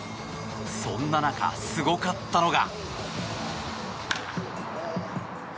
そんな中、すごかったのが。